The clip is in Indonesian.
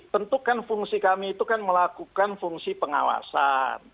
tentukan fungsi kami itu kan melakukan fungsi pengawasan